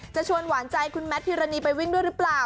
ชวนหวานใจคุณแมทพิรณีไปวิ่งด้วยหรือเปล่า